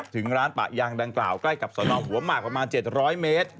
ถึงร้านปะยางดังกล่าวใกล้กับสนหัวหมากประมาณ๗๐๐เมตร